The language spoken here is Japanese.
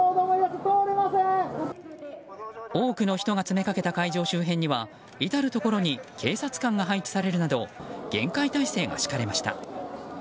多くの人が詰めかけた会場周辺には至るところに警察官が配置されるなど厳戒態勢が敷かれました。